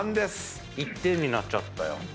１点になっちゃったよ。